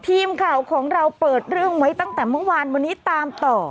ทีมข่าวของเราเปิดเรื่องไว้ตั้งแต่เมื่อวานวันนี้ตามต่อ